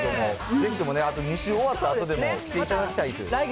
ぜひともね、あと２週終わったあとでも、来ていただきたいという。